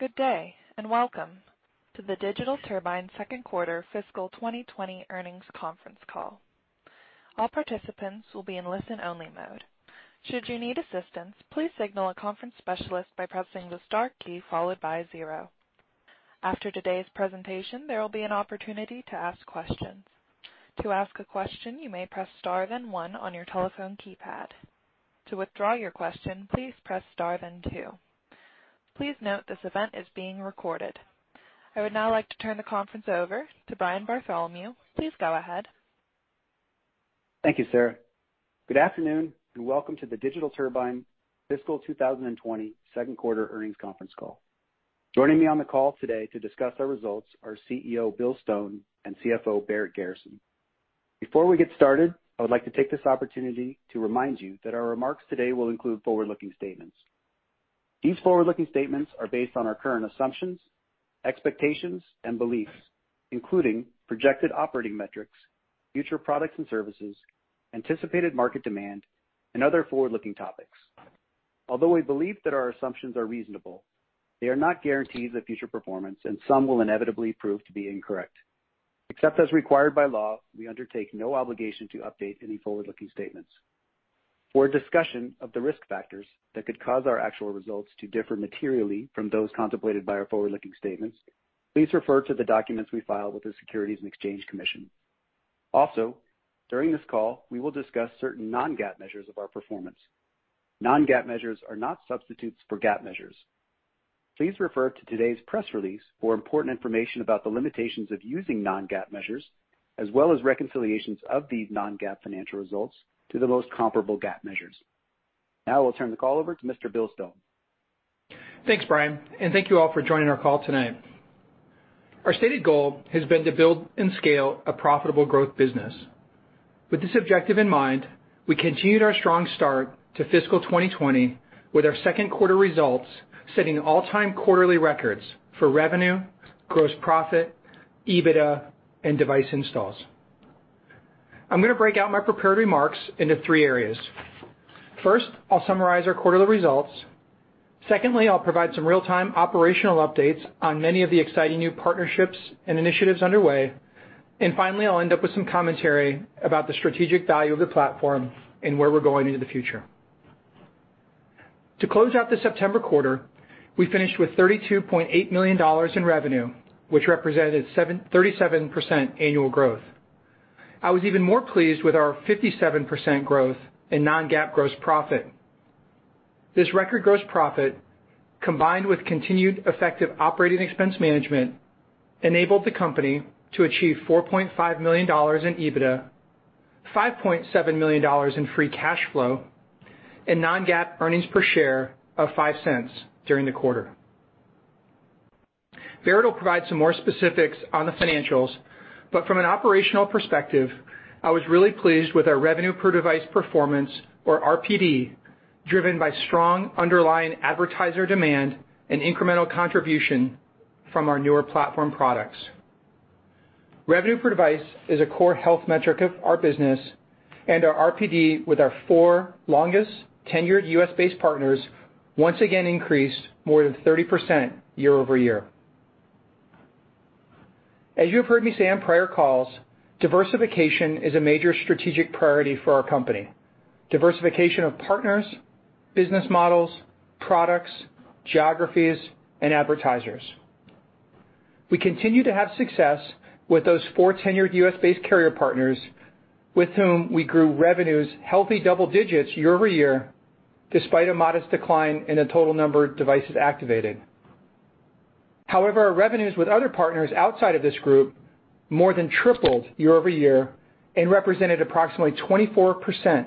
Good day, and welcome to the Digital Turbine second quarter fiscal 2020 earnings conference call. All participants will be in listen-only mode. Should you need assistance, please signal a conference specialist by pressing the star key followed by zero. After today's presentation, there will be an opportunity to ask questions. To ask a question, you may press star then one on your telephone keypad. To withdraw your question, please press star then two. Please note this event is being recorded. I would now like to turn the conference over to Brian Bartholomew. Please go ahead. Thank you, Sarah. Good afternoon, and welcome to the Digital Turbine fiscal 2020 second quarter earnings conference call. Joining me on the call today to discuss our results are CEO Bill Stone and CFO Barrett Garrison. Before we get started, I would like to take this opportunity to remind you that our remarks today will include forward-looking statements. These forward-looking statements are based on our current assumptions, expectations, and beliefs, including projected operating metrics, future products and services, anticipated market demand, and other forward-looking topics. Although we believe that our assumptions are reasonable, they are not guarantees of future performance, and some will inevitably prove to be incorrect. Except as required by law, we undertake no obligation to update any forward-looking statements. For a discussion of the risk factors that could cause our actual results to differ materially from those contemplated by our forward-looking statements, please refer to the documents we filed with the Securities and Exchange Commission. Also, during this call, we will discuss certain non-GAAP measures of our performance. Non-GAAP measures are not substitutes for GAAP measures. Please refer to today's press release for important information about the limitations of using non-GAAP measures, as well as reconciliations of these non-GAAP financial results to the most comparable GAAP measures. Now, I will turn the call over to Mr. Bill Stone. Thanks, Brian, thank you all for joining our call tonight. Our stated goal has been to build and scale a profitable growth business. With this objective in mind, we continued our strong start to fiscal 2020 with our second quarter results setting all-time quarterly records for revenue, gross profit, EBITDA, and device installs. I'm going to break out my prepared remarks into three areas. First, I'll summarize our quarterly results. Secondly, I'll provide some real-time operational updates on many of the exciting new partnerships and initiatives underway. Finally, I'll end up with some commentary about the strategic value of the platform and where we're going into the future. To close out the September quarter, we finished with $32.8 million in revenue, which represented 37% annual growth. I was even more pleased with our 57% growth in non-GAAP gross profit. This record gross profit, combined with continued effective operating expense management, enabled the company to achieve $4.5 million in EBITDA, $5.7 million in free cash flow, and non-GAAP earnings per share of $0.05 during the quarter. Barrett will provide some more specifics on the financials. From an operational perspective, I was really pleased with our revenue per device performance, or RPD, driven by strong underlying advertiser demand and incremental contribution from our newer platform products. Revenue per device is a core health metric of our business. Our RPD with our four longest-tenured U.S.-based partners once again increased more than 30% year-over-year. As you have heard me say on prior calls, diversification is a major strategic priority for our company. Diversification of partners, business models, products, geographies, and advertisers. We continue to have success with those four tenured U.S.-based carrier partners with whom we grew revenues healthy double digits year-over-year, despite a modest decline in the total number of devices activated. However, our revenues with other partners outside of this group more than tripled year-over-year and represented approximately 24%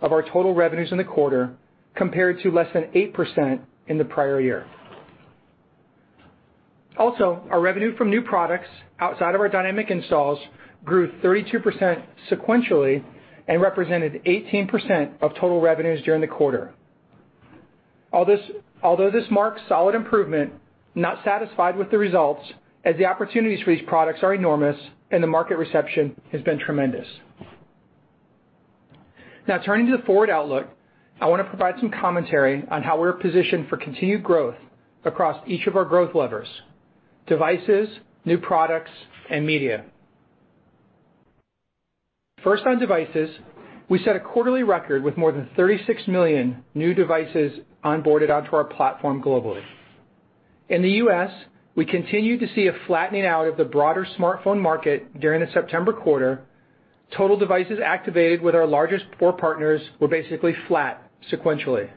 of our total revenues in the quarter, compared to less than 8% in the prior year. Also, our revenue from new products outside of our Dynamic Installs grew 32% sequentially and represented 18% of total revenues during the quarter. Although this marks solid improvement, not satisfied with the results, as the opportunities for these products are enormous and the market reception has been tremendous. Now turning to the forward outlook, I want to provide some commentary on how we're positioned for continued growth across each of our growth levers: devices, new products, and media. First on devices, we set a quarterly record with more than 36 million new devices onboarded onto our platform globally. In the U.S., we continue to see a flattening out of the broader smartphone market during the September quarter. Total devices activated with our largest four partners were basically flat sequentially.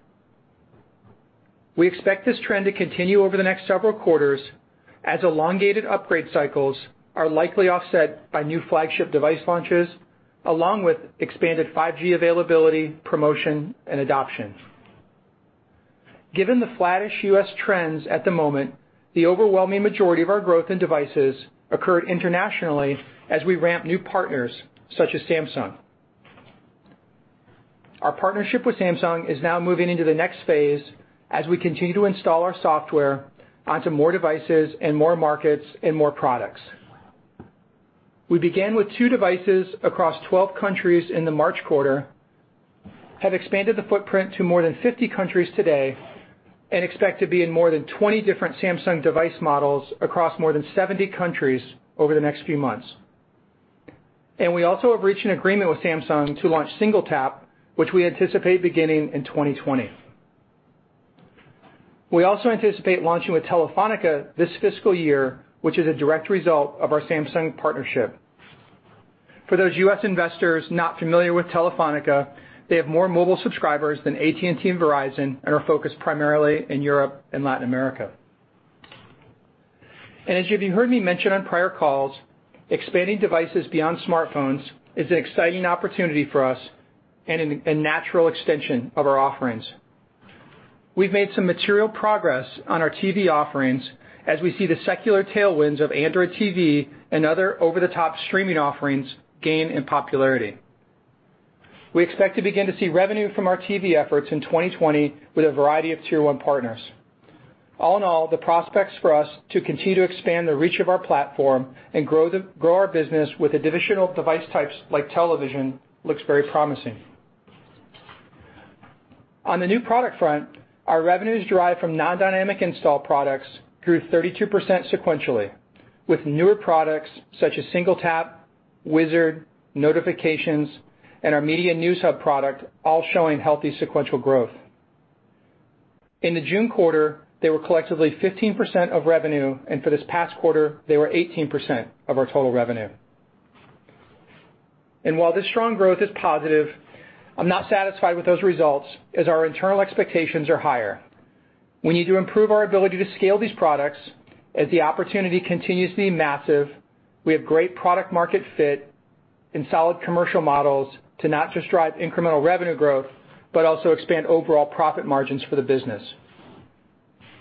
We expect this trend to continue over the next several quarters as elongated upgrade cycles are likely offset by new flagship device launches, along with expanded 5G availability, promotion, and adoption. Given the flattish U.S. trends at the moment, the overwhelming majority of our growth in devices occurred internationally as we ramp new partners, such as Samsung. Our partnership with Samsung is now moving into the next phase as we continue to install our software onto more devices and more markets and more products. We began with two devices across 12 countries in the March quarter, have expanded the footprint to more than 50 countries today, and expect to be in more than 20 different Samsung device models across more than 70 countries over the next few months. We also have reached an agreement with Samsung to launch SingleTap, which we anticipate beginning in 2020. We also anticipate launching with Telefónica this fiscal year, which is a direct result of our Samsung partnership. For those U.S. investors not familiar with Telefónica, they have more mobile subscribers than AT&T and Verizon and are focused primarily in Europe and Latin America. As you've heard me mention on prior calls, expanding devices beyond smartphones is an exciting opportunity for us and a natural extension of our offerings. We've made some material progress on our TV offerings as we see the secular tailwinds of Android TV and other over-the-top streaming offerings gain in popularity. We expect to begin to see revenue from our TV efforts in 2020 with a variety of tier 1 partners. All in all, the prospects for us to continue to expand the reach of our platform and grow our business with additional device types like television looks very promising. On the new product front, our revenues derived from non-Dynamic Installs products grew 32% sequentially, with newer products such as SingleTap, Wizard, Notifications, and our Media News Hub product all showing healthy sequential growth. In the June quarter, they were collectively 15% of revenue. For this past quarter, they were 18% of our total revenue. While this strong growth is positive, I'm not satisfied with those results as our internal expectations are higher. We need to improve our ability to scale these products as the opportunity continues to be massive, we have great product-market fit and solid commercial models to not just drive incremental revenue growth, but also expand overall profit margins for the business.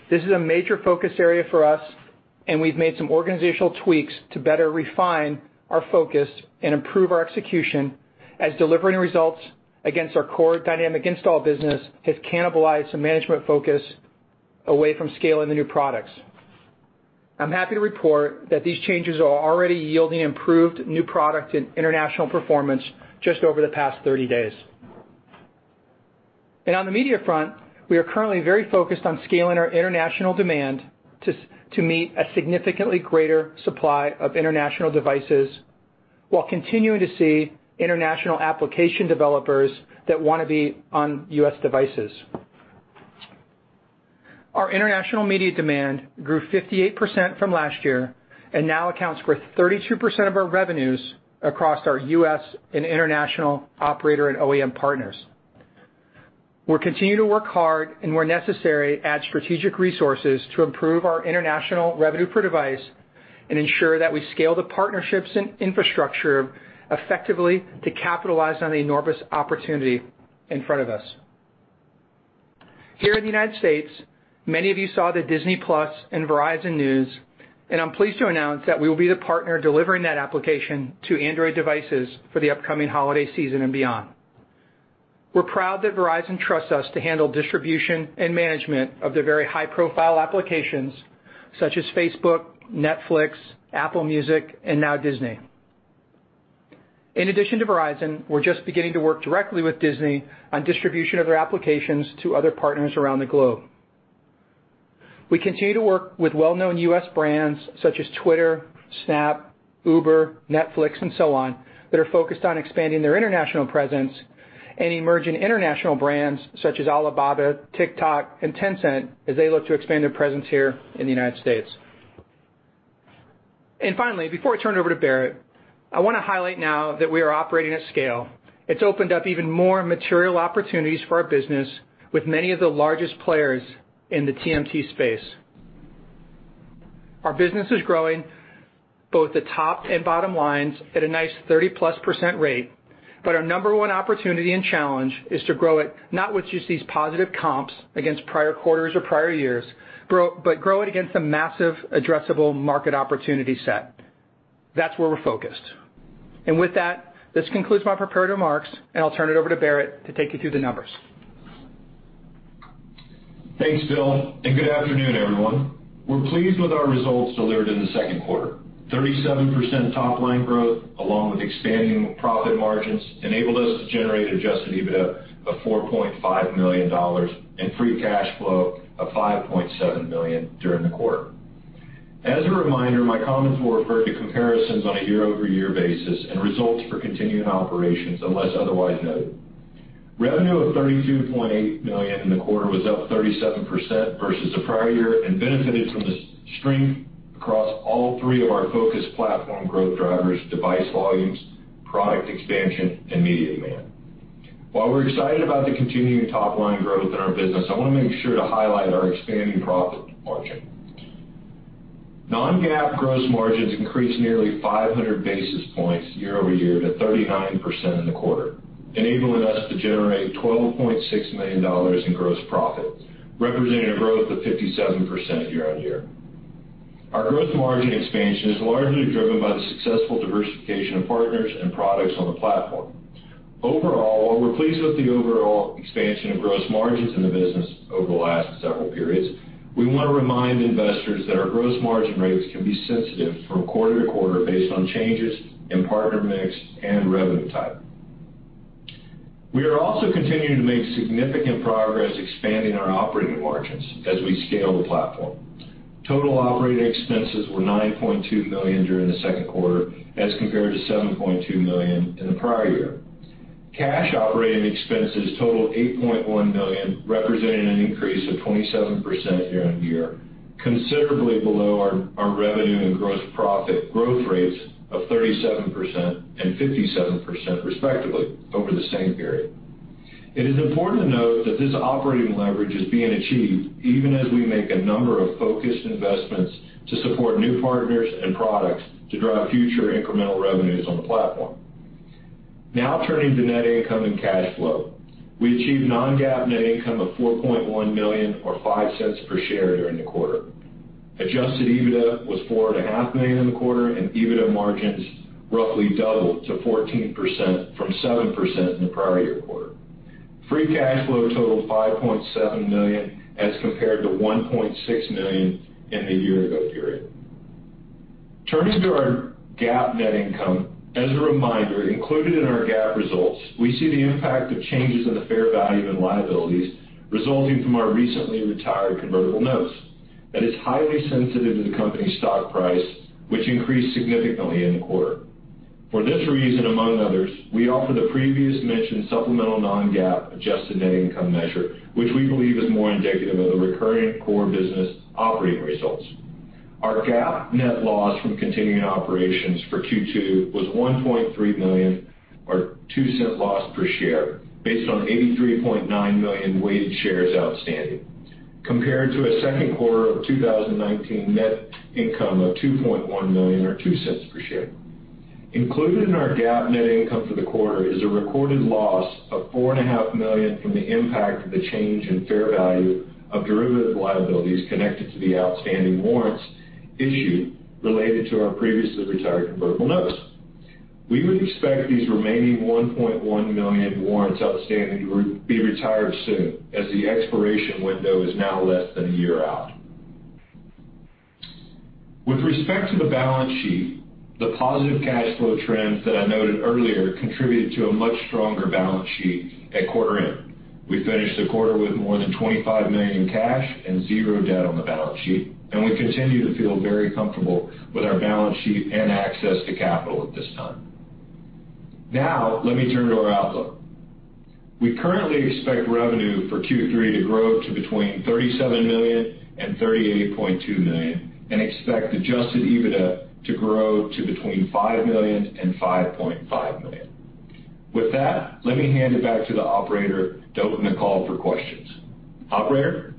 This is a major focus area for us, and we've made some organizational tweaks to better refine our focus and improve our execution as delivering results against our core Dynamic Installs business has cannibalized some management focus away from scaling the new products. I'm happy to report that these changes are already yielding improved new product and international performance just over the past 30 days. On the media front, we are currently very focused on scaling our international demand to meet a significantly greater supply of international devices while continuing to see international application developers that want to be on U.S. devices. Our international media demand grew 58% from last year and now accounts for 32% of our revenues across our U.S. and international operator and OEM partners. We'll continue to work hard and, where necessary, add strategic resources to improve our international revenue per device and ensure that we scale the partnerships and infrastructure effectively to capitalize on the enormous opportunity in front of us. Here in the United States, many of you saw the Disney+ and Verizon news, and I'm pleased to announce that we will be the partner delivering that application to Android devices for the upcoming holiday season and beyond. We're proud that Verizon trusts us to handle distribution and management of their very high-profile applications such as Facebook, Netflix, Apple Music, and now Disney. In addition to Verizon, we're just beginning to work directly with Disney on distribution of their applications to other partners around the globe. We continue to work with well-known US brands such as Twitter, Snap, Uber, Netflix, and so on, that are focused on expanding their international presence and emerging international brands such as Alibaba, TikTok, and Tencent as they look to expand their presence here in the United States. Finally, before I turn it over to Barrett, I want to highlight now that we are operating at scale. It's opened up even more material opportunities for our business with many of the largest players in the TMT space. Our business is growing both the top and bottom lines at a nice 30-plus% rate. Our number one opportunity and challenge is to grow it, not with just these positive comps against prior quarters or prior years, but grow it against a massive addressable market opportunity set. That's where we're focused. With that, this concludes my prepared remarks, and I'll turn it over to Barrett to take you through the numbers. Thanks, Bill. Good afternoon, everyone. We're pleased with our results delivered in the second quarter. 37% top-line growth along with expanding profit margins enabled us to generate adjusted EBITDA of $4.5 million and free cash flow of $5.7 million during the quarter. As a reminder, my comments will refer to comparisons on a year-over-year basis and results for continuing operations unless otherwise noted. Revenue of $32.8 million in the quarter was up 37% versus the prior year and benefited from the strength across all three of our focused platform growth drivers, device volumes, product expansion, and media demand. While we're excited about the continuing top-line growth in our business, I want to make sure to highlight our expanding profit margin. Non-GAAP gross margins increased nearly 500 basis points year-over-year to 39% in the quarter, enabling us to generate $12.6 million in gross profit, representing a growth of 57% year-on-year. Our growth margin expansion is largely driven by the successful diversification of partners and products on the platform. Overall, while we're pleased with the overall expansion of gross margins in the business over the last several periods, we want to remind investors that our gross margin rates can be sensitive from quarter-to-quarter based on changes in partner mix and revenue type. We are also continuing to make significant progress expanding our operating margins as we scale the platform. Total operating expenses were $9.2 million during the second quarter as compared to $7.2 million in the prior year. Cash operating expenses totaled $8.1 million, representing an increase of 27% year-on-year, considerably below our revenue and gross profit growth rates of 37% and 57%, respectively, over the same period. It is important to note that this operating leverage is being achieved even as we make a number of focused investments to support new partners and products to drive future incremental revenues on the platform. Turning to net income and cash flow. We achieved non-GAAP net income of $4.1 million or $0.05 per share during the quarter. Adjusted EBITDA was $4.5 million in the quarter. EBITDA margins roughly doubled to 14% from 7% in the prior-year quarter. Free cash flow totaled $5.7 million as compared to $1.6 million in the year-ago period. Turning to our GAAP net income. As a reminder, included in our GAAP results, we see the impact of changes in the fair value and liabilities resulting from our recently retired convertible notes that is highly sensitive to the company stock price, which increased significantly in the quarter. For this reason, among others, we offer the previously mentioned supplemental non-GAAP adjusted net income measure, which we believe is more indicative of the recurring core business operating results. Our GAAP net loss from continuing operations for Q2 was $1.3 million or $0.02 loss per share based on 83.9 million weighted shares outstanding compared to a second quarter of 2019 net income of $2.1 million or $0.02 per share. Included in our GAAP net income for the quarter is a recorded loss of $4.5 million from the impact of the change in fair value of derivative liabilities connected to the outstanding warrants issued related to our previously retired convertible notes. We would expect these remaining 1.1 million warrants outstanding to be retired soon, as the expiration window is now less than one year out. With respect to the balance sheet, the positive cash flow trends that I noted earlier contributed to a much stronger balance sheet at quarter end. We finished the quarter with more than $25 million in cash and zero debt on the balance sheet, and we continue to feel very comfortable with our balance sheet and access to capital at this time. Now let me turn to our outlook. We currently expect revenue for Q3 to grow to between $37 million and $38.2 million and expect adjusted EBITDA to grow to between $5 million and $5.5 million. With that, let me hand it back to the operator to open the call for questions. Operator?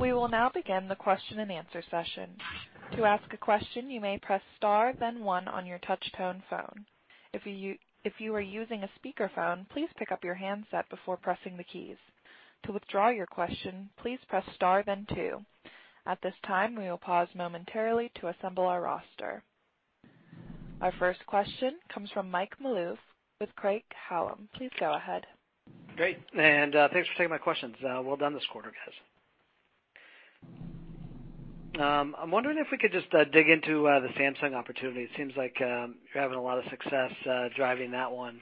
We will now begin the question and answer session. To ask a question, you may press star then one on your touch tone phone. If you are using a speakerphone, please pick up your handset before pressing the keys. To withdraw your question, please press star then two. At this time, we will pause momentarily to assemble our roster. Our first question comes from Mike Malouf with Craig-Hallum. Please go ahead. Great. Thanks for taking my questions. Well done this quarter, guys. I'm wondering if we could just dig into the Samsung opportunity. It seems like you're having a lot of success driving that one.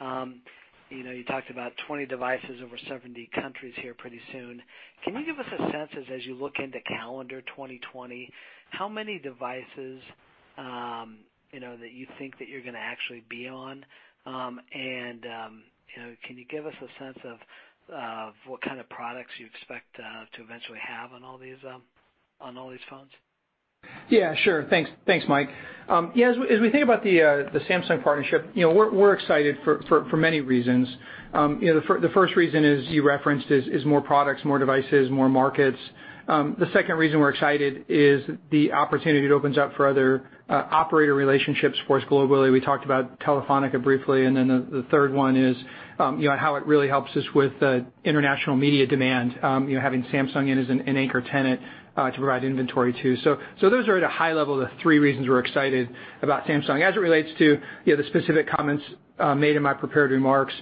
You talked about 20 devices over 70 countries here pretty soon. Can you give us a sense as you look into calendar 2020, how many devices that you think that you're going to actually be on? Can you give us a sense of what kind of products you expect to eventually have on all these phones? Yeah, sure. Thanks, Mike. As we think about the Samsung partnership, we're excited for many reasons. The first reason is, you referenced, is more products, more devices, more markets. The second reason we're excited is the opportunity it opens up for other operator relationships for us globally. We talked about Telefónica briefly, and then the third one is how it really helps us with international media demand, having Samsung in as an anchor tenant, to provide inventory to. Those are at a high level, the three reasons we're excited about Samsung. As it relates to the specific comments made in my prepared remarks,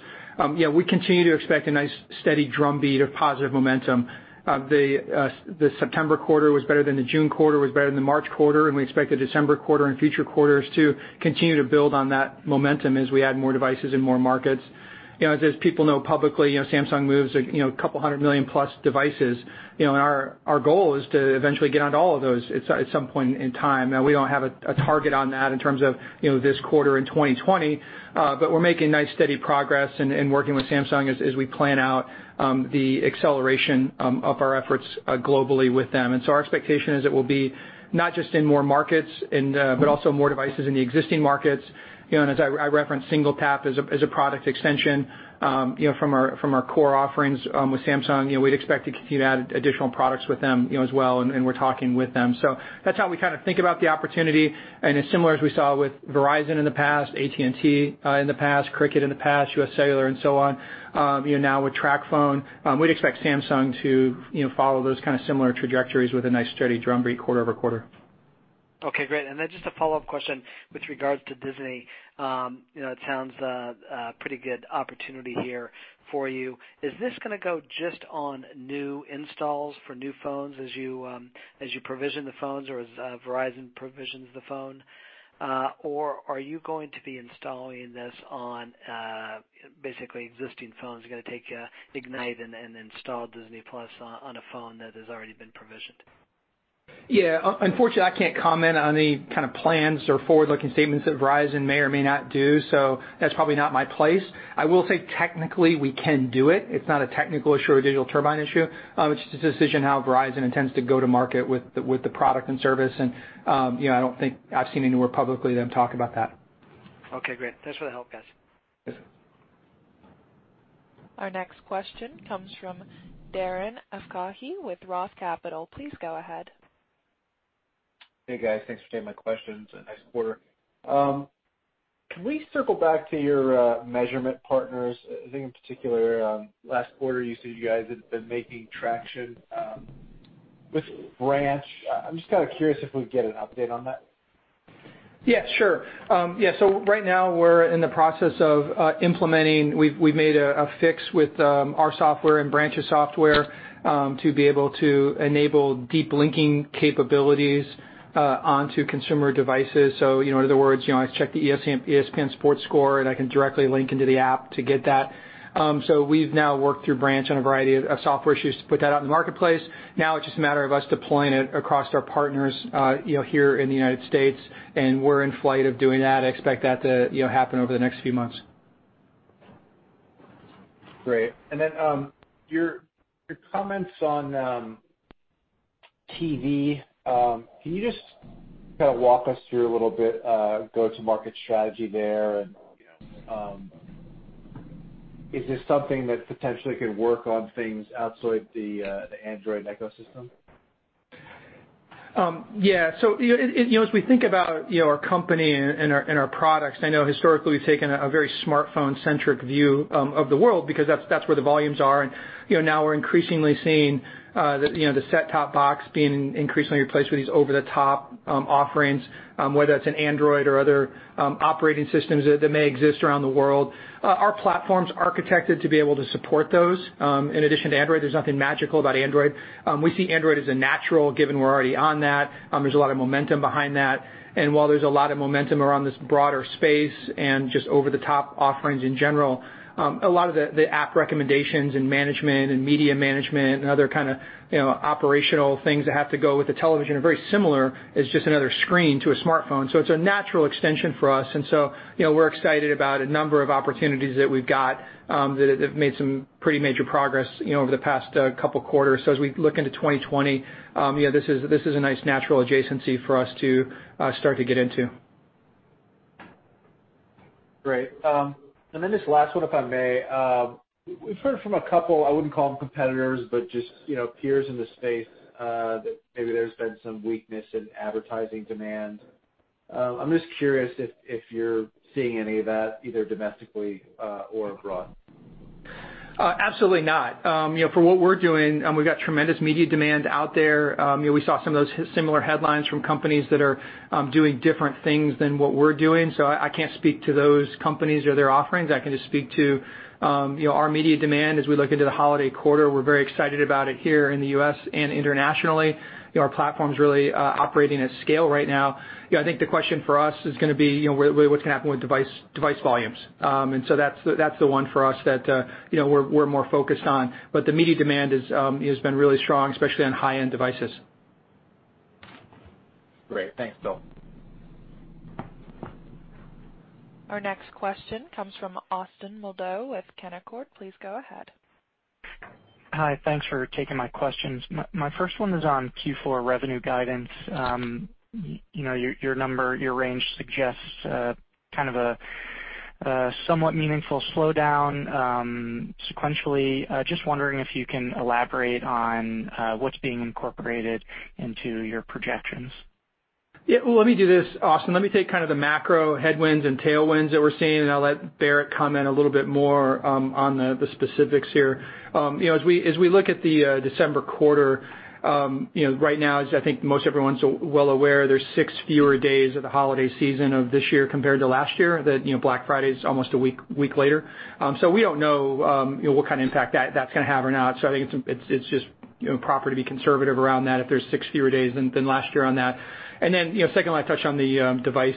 we continue to expect a nice steady drumbeat of positive momentum. The September quarter was better than the June quarter was better than the March quarter, and we expect the December quarter and future quarters to continue to build on that momentum as we add more devices and more markets. As people know publicly, Samsung moves 200 million plus devices, and our goal is to eventually get onto all of those at some point in time. We don't have a target on that in terms of this quarter in 2020, but we're making nice steady progress and working with Samsung as we plan out the acceleration of our efforts globally with them. Our expectation is it will be not just in more markets but also more devices in the existing markets. As I referenced, SingleTap as a product extension from our core offerings with Samsung, we'd expect to continue to add additional products with them as well and we're talking with them. That's how we think about the opportunity. As similar as we saw with Verizon in the past, AT&T in the past, Cricket in the past, U.S. Cellular and so on, now with TracFone, we'd expect Samsung to follow those similar trajectories with a nice steady drumbeat quarter-over-quarter. Okay, great. Just a follow-up question with regards to Disney. It sounds a pretty good opportunity here for you. Is this going to go just on new installs for new phones as you provision the phones or as Verizon provisions the phone? Are you going to be installing this on basically existing phones? You're going to take Ignite and install Disney+ on a phone that has already been provisioned. Yeah. Unfortunately, I can't comment on any kind of plans or forward-looking statements that Verizon may or may not do, so that's probably not my place. I will say technically we can do it. It's not a technical issue or a Digital Turbine issue. It's just a decision how Verizon intends to go to market with the product and service, and I don't think I've seen anywhere publicly them talk about that. Okay, great. Thanks for the help, guys. Yes. Our next question comes from Darren Aftahi with Roth Capital. Please go ahead. Hey, guys. Thanks for taking my questions. Nice quarter. Can we circle back to your measurement partners? I think in particular, last quarter you said you guys had been making traction with Branch. I'm just kind of curious if we can get an update on that. Yeah, sure. Right now we're in the process of implementing. We've made a fix with our software and Branch's software, to be able to enable deep linking capabilities onto consumer devices. In other words, I check the ESPN sports score, and I can directly link into the app to get that. We've now worked through Branch on a variety of software issues to put that out in the marketplace. Now it's just a matter of us deploying it across our partners here in the U.S., and we're in flight of doing that. I expect that to happen over the next few months. Great. Your comments on Android TV, can you just walk us through a little bit go-to-market strategy there? Is this something that potentially could work on things outside the Android ecosystem? Yeah. As we think about our company and our products, I know historically we've taken a very smartphone-centric view of the world because that's where the volumes are. Now we're increasingly seeing the set-top box being increasingly replaced with these over-the-top offerings, whether that's in Android or other operating systems that may exist around the world. Our platform's architected to be able to support those. In addition to Android, there's nothing magical about Android. We see Android as a natural given we're already on that. There's a lot of momentum behind that. While there's a lot of momentum around this broader space and just over-the-top offerings in general, a lot of the app recommendations and management and media management and other kind of operational things that have to go with the television are very similar. It's just another screen to a smartphone. It's a natural extension for us. We're excited about a number of opportunities that we've got that have made some pretty major progress over the past couple quarters. As we look into 2020, this is a nice natural adjacency for us to start to get into. Great. This last one, if I may. We've heard from a couple, I wouldn't call them competitors, but just peers in the space, that maybe there's been some weakness in advertising demand. I'm just curious if you're seeing any of that, either domestically or abroad. Absolutely not. For what we're doing, we've got tremendous media demand out there. We saw some of those similar headlines from companies that are doing different things than what we're doing. I can't speak to those companies or their offerings. I can just speak to our media demand as we look into the holiday quarter. We're very excited about it here in the U.S. and internationally. Our platform's really operating at scale right now. I think the question for us is gonna be, what's going to happen with device volumes? That's the one for us that we're more focused on. The media demand has been really strong, especially on high-end devices. Great. Thanks, Bill. Our next question comes from Austin Moldow with Canaccord. Please go ahead. Hi. Thanks for taking my questions. My first one is on Q4 revenue guidance. Your number, your range suggests kind of a somewhat meaningful slowdown sequentially. Just wondering if you can elaborate on what's being incorporated into your projections. Yeah. Let me do this, Austin. Let me take kind of the macro headwinds and tailwinds that we're seeing, and I'll let Barrett comment a little bit more on the specifics here. As we look at the December quarter, right now, as I think most everyone's well aware, there's six fewer days of the holiday season of this year compared to last year, that Black Friday's almost a week later. We don't know what kind of impact that's gonna have or not. I think it's just proper to be conservative around that if there's six fewer days than last year on that. Secondly, I'll touch on the device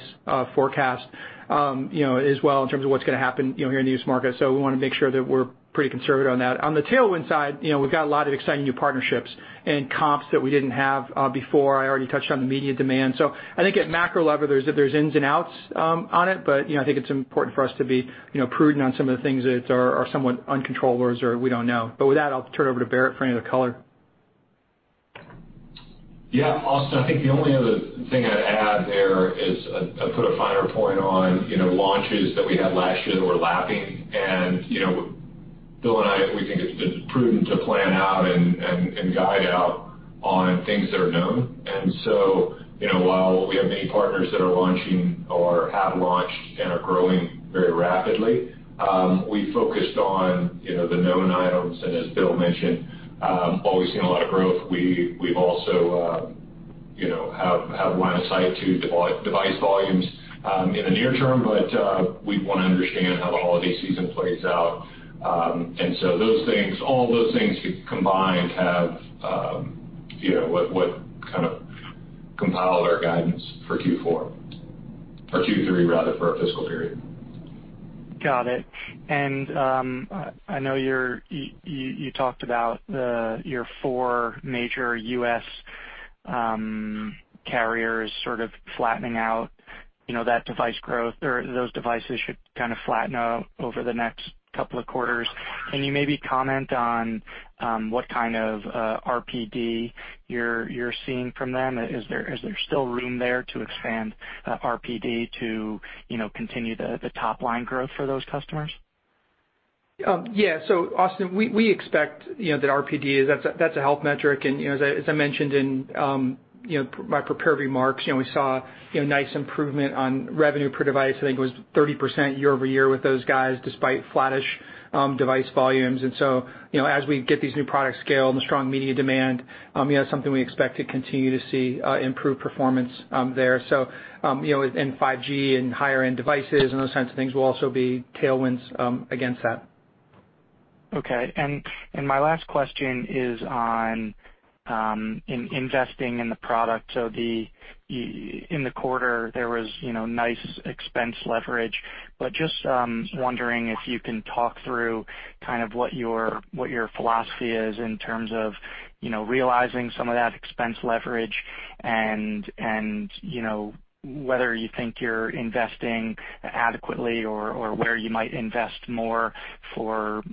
forecast as well in terms of what's gonna happen here in the U.S. market. We want to make sure that we're pretty conservative on that. On the tailwind side, we've got a lot of exciting new partnerships and comps that we didn't have before. I already touched on the media demand. I think at macro level, there's ins and outs on it, but I think it's important for us to be prudent on some of the things that are somewhat uncontrollable or we don't know. With that, I'll turn it over to Barrett for any other color. Yeah, Austin, I think the only other thing I'd add there is I'd put a finer point on launches that we had last year that we're lapping. Bill and I, we think it's prudent to plan out and guide out on things that are known. While we have many partners that are launching or have launched and are growing very rapidly, we focused on the known items. As Bill mentioned, while we've seen a lot of growth, we've also Have line of sight to device volumes in the near term, but we want to understand how the holiday season plays out. All those things combined have compiled our guidance for Q4, or Q3 rather, for our fiscal period. Got it. I know you talked about your four major U.S. carriers sort of flattening out that device growth, or those devices should kind of flatten out over the next couple of quarters. Can you maybe comment on what kind of RPD you're seeing from them? Is there still room there to expand RPD to continue the top-line growth for those customers? Austin, we expect that RPD, that's a health metric, and as I mentioned in my prepared remarks, we saw nice improvement on revenue per device. I think it was 30% year-over-year with those guys, despite flattish device volumes. As we get these new products scaled and the strong media demand, that's something we expect to continue to see improved performance there. 5G and higher-end devices and those kinds of things will also be tailwinds against that. Okay. My last question is on investing in the product. In the quarter, there was nice expense leverage, but just wondering if you can talk through kind of what your philosophy is in terms of realizing some of that expense leverage and whether you think you're investing adequately or where you might invest more for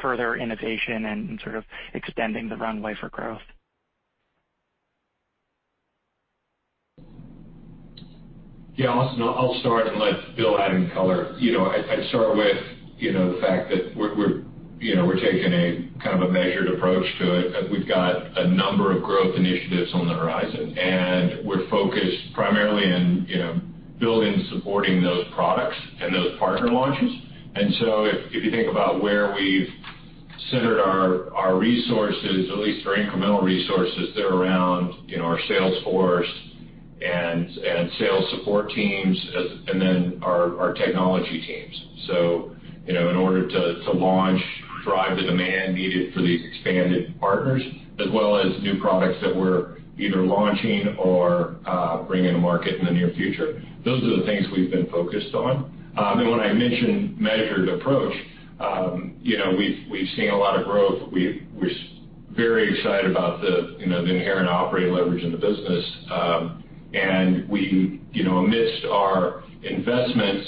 further innovation and sort of extending the runway for growth. Yeah, Austin, I'll start and let Bill add in color. I'd start with the fact that we're taking a kind of a measured approach to it. We've got a number of growth initiatives on the horizon, and we're focused primarily in building and supporting those products and those partner launches. If you think about where we've centered our resources, at least our incremental resources, they're around our sales force and sales support teams and then our technology teams in order to launch, drive the demand needed for these expanded partners, as well as new products that we're either launching or bringing to market in the near future. Those are the things we've been focused on. When I mention measured approach, we've seen a lot of growth. We're very excited about the inherent operating leverage in the business. Amidst our investments,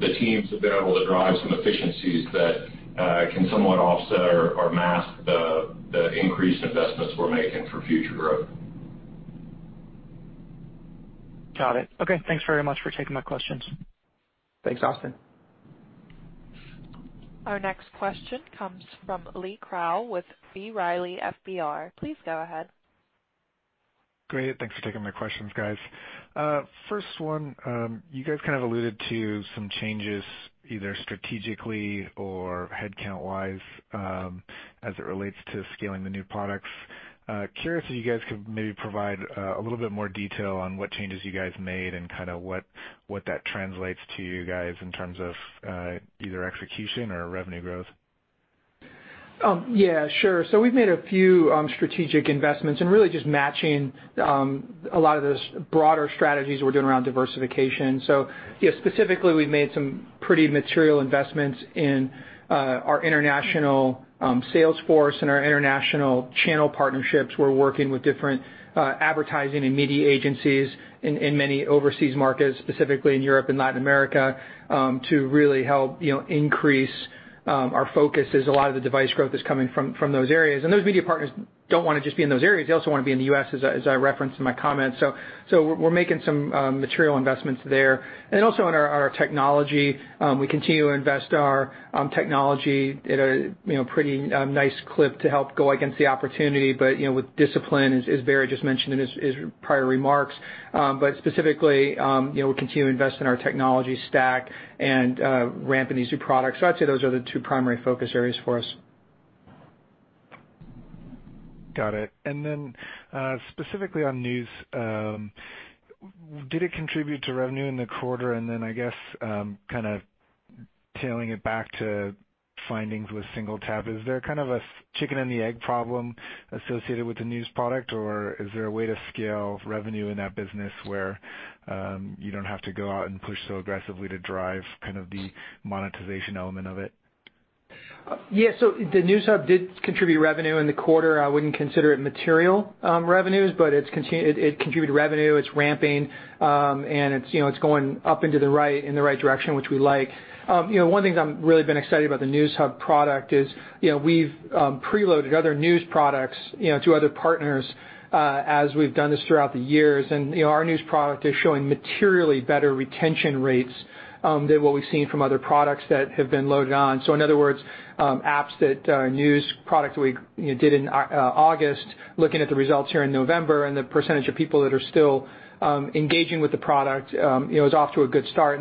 the team's been able to drive some efficiencies that can somewhat offset or mask the increased investments we're making for future growth. Got it. Okay. Thanks very much for taking my questions. Thanks, Austin. Our next question comes from Lee Krow with B. Riley FBR. Please go ahead. Great. Thanks for taking my questions, guys. First one, you guys kind of alluded to some changes, either strategically or headcount-wise, as it relates to scaling the new products. Curious if you guys could maybe provide a little bit more detail on what changes you guys made and kind of what that translates to you guys in terms of either execution or revenue growth? Sure. We've made a few strategic investments and really just matching a lot of the broader strategies we're doing around diversification. Specifically, we've made some pretty material investments in our international sales force and our international channel partnerships. We're working with different advertising and media agencies in many overseas markets, specifically in Europe and Latin America, to really help increase our focus as a lot of the device growth is coming from those areas. Those media partners don't want to just be in those areas. They also want to be in the U.S., as I referenced in my comments. We're making some material investments there. Also in our technology, we continue to invest our technology at a pretty nice clip to help go against the opportunity, but with discipline, as Barrett just mentioned in his prior remarks. Specifically, we'll continue to invest in our technology stack and ramping these new products. I'd say those are the two primary focus areas for us. Got it. Specifically on News, did it contribute to revenue in the quarter? I guess, kind of tailing it back to findings with SingleTap, is there kind of a chicken and the egg problem associated with the News product, or is there a way to scale revenue in that business where you don't have to go out and push so aggressively to drive kind of the monetization element of it? Yeah. The News Hub did contribute revenue in the quarter. I wouldn't consider it material revenues, it contributed revenue. It's ramping, it's going up into the right, in the right direction, which we like. One of the things I'm really been excited about the News Hub product is, we've preloaded other news products to other partners as we've done this throughout the years. Our news product is showing materially better retention rates than what we've seen from other products that have been loaded on. In other words, apps that are news product we did in August, looking at the results here in November and the % of people that are still engaging with the product, it's off to a good start.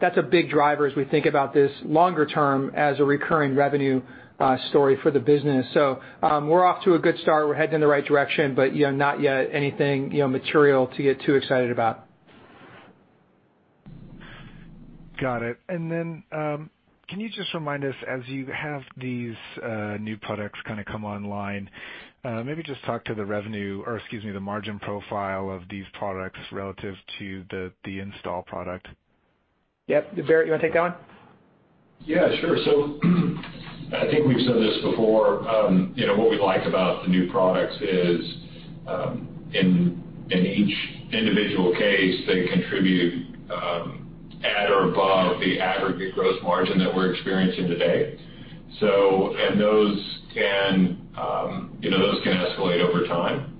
That's a big driver as we think about this longer term as a recurring revenue story for the business. We're off to a good start. We're heading in the right direction, but not yet anything material to get too excited about. Got it. Then can you just remind us as you have these new products come online, maybe just talk to the margin profile of these products relative to the install product? Yep. Barrett, you want to take that one? Yeah, sure. I think we've said this before. What we like about the new products is, in each individual case, they contribute at or above the aggregate gross margin that we're experiencing today. Those can escalate over time.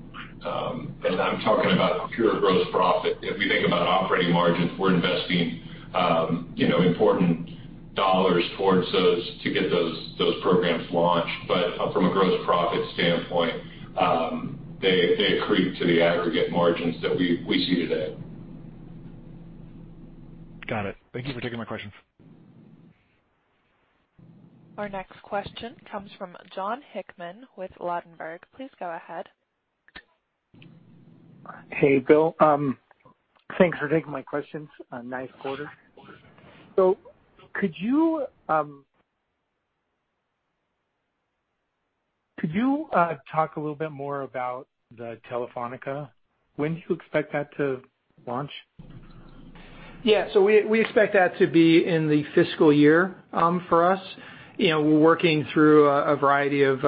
I'm talking about pure gross profit. If we think about operating margins, we're investing important dollars towards those to get those programs launched. From a gross profit standpoint, they accrete to the aggregate margins that we see today. Got it. Thank you for taking my questions. Our next question comes from Jon Hickman with Ladenburg. Please go ahead. Hey, Bill. Thanks for taking my questions. Nice quarter. Could you talk a little bit more about the Telefónica? When do you expect that to launch? Yeah. We expect that to be in the fiscal year for us. We're working through a variety of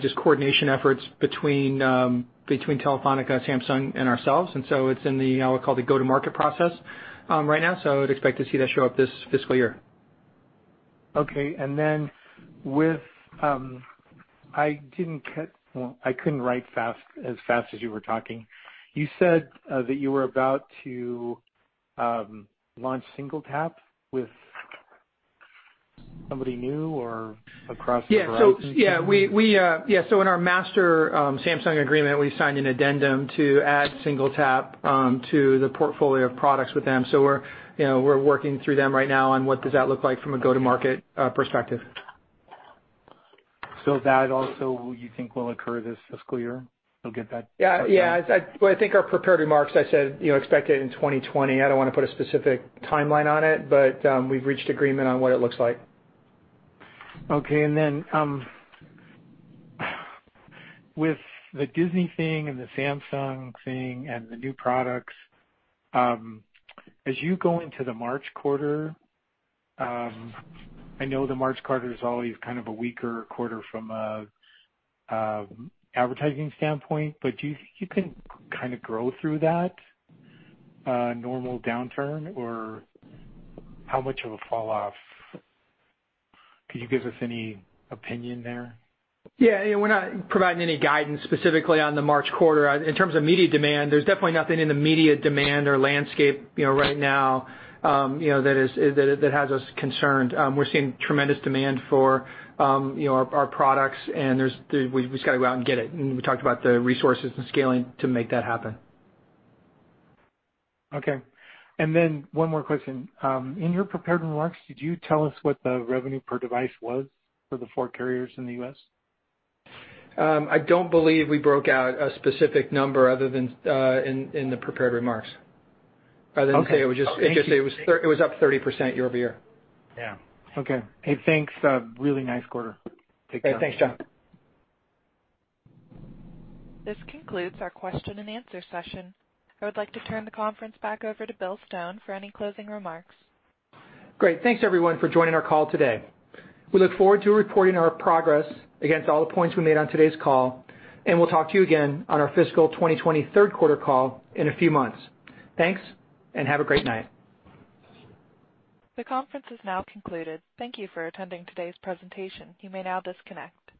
just coordination efforts between Telefónica, Samsung, and ourselves. It's in what we call the go-to-market process right now. I'd expect to see that show up this fiscal year. Okay, I couldn't write as fast as you were talking. You said that you were about to launch SingleTap with somebody new or across the Verizon family? Yeah. In our master Samsung agreement, we signed an addendum to add SingleTap to the portfolio of products with them. We're working through them right now on what does that look like from a go-to-market perspective. That also you think will occur this fiscal year? You'll get that part done? Yeah. I think our prepared remarks, I said, expect it in 2020. I don't want to put a specific timeline on it, but we've reached agreement on what it looks like. Okay. With the Disney thing and the Samsung thing and the new products, as you go into the March quarter, I know the March quarter is always kind of a weaker quarter from an advertising standpoint. Do you think you can kind of grow through that normal downturn? How much of a falloff, could you give us any opinion there? Yeah. We're not providing any guidance specifically on the March quarter. In terms of media demand, there's definitely nothing in the media demand or landscape right now that has us concerned. We're seeing tremendous demand for our products, and we've just got to go out and get it. We talked about the resources and scaling to make that happen. Okay. One more question. In your prepared remarks, could you tell us what the revenue per device was for the four carriers in the U.S.? I don't believe we broke out a specific number other than in the prepared remarks. Okay. I think I said it was up 30% year-over-year. Yeah. Okay. Hey, thanks. Really nice quarter. Take care. Thanks, Jon. This concludes our question and answer session. I would like to turn the conference back over to Bill Stone for any closing remarks. Great. Thanks everyone for joining our call today. We look forward to reporting our progress against all the points we made on today's call, and we'll talk to you again on our fiscal 2020 third quarter call in a few months. Thanks, and have a great night. The conference has now concluded. Thank you for attending today's presentation. You may now disconnect.